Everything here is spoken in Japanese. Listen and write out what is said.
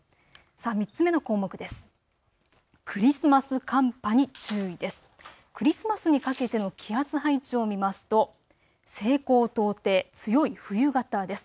３つ目の項目です。